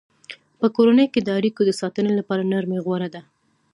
په کورنۍ کې د اړیکو د ساتنې لپاره نرمي غوره ده.